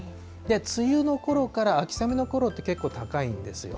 梅雨のころから秋雨のころって結構高いんですよ。